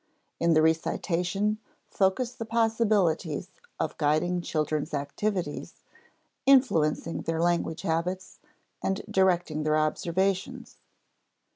In the recitation focus the possibilities of guiding children's activities, influencing their language habits, and directing their observations.